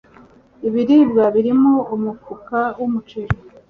ibiribwa birimo umufuka w umuceli